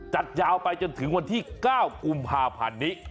จัดยาวไปจนถึงวันที่๙กุมภาพันธ์นี้